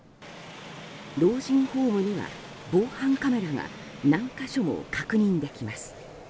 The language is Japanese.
老人ホームには防犯カメラが何か所も確認できます。